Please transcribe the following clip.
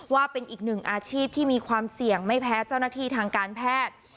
ว่าเป็นอีกหนึ่งอาชีพที่มีความเสี่ยงไม่แพ้เจ้าหน้าที่ทางการแพทย์